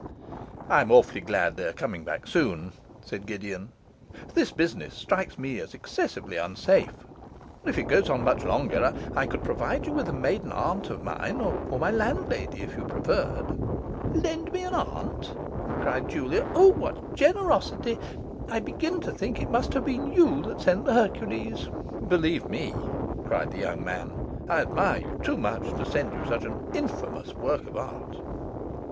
'I'm awfully glad they are coming back soon,' said Gideon. 'This business strikes me as excessively unsafe; if it goes on much longer, I could provide you with a maiden aunt of mine, or my landlady if you preferred.' 'Lend me an aunt!' cried Julia. 'O, what generosity! I begin to think it must have been you that sent the Hercules.' 'Believe me,' cried the young man, 'I admire you too much to send you such an infamous work of art..